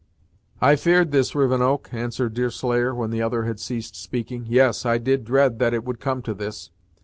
"I fear'd this, Rivenoak," answered Deerslayer, when the other had ceased speaking "yes, I did dread that it would come to this.